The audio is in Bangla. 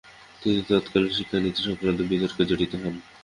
তিনি তৎকালীন শিক্ষানীতি সংক্রান্ত বিতর্কে জড়িত হন।